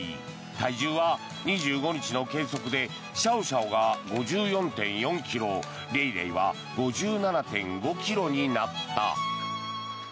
体重は２５日の計測でシャオシャオが５４．４ｋｇレイレイは５７．５ｋｇになった。